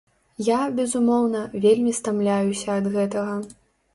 Я, безумоўна, вельмі стамляюся ад гэтага.